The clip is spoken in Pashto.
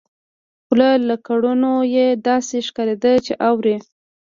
خو له کړنو يې داسې ښکارېده چې اوري.